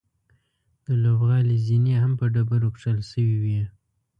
د لوبغالي زینې هم په ډبرو کښل شوې وې.